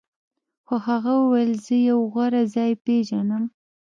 خو هغه وویل زه یو غوره ځای پیژنم